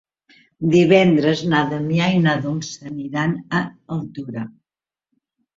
Divendres na Damià i na Dolça aniran a Altura.